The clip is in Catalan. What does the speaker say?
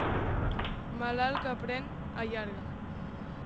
Malalt que pren, allarga.